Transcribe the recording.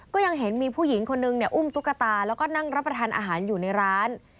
ก็ยังเห็นมีผู้หญิงคนนึงเนี่ยอุ้มตุ๊กตาแล้วก็นั่งรับประทานอาหารอยู่ในร้าน